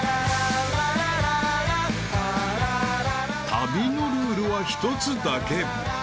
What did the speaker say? ［旅のルールは一つだけ］